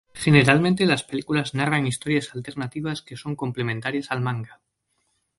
Generalmente las películas narran historias alternativas que son complementarias al manga.